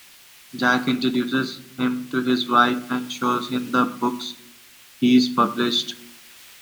Jake introduces him to his wife and shows him the books he's published.